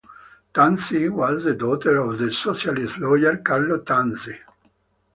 Tanzi was the daughter of the socialist lawyer Carlo Tanzi.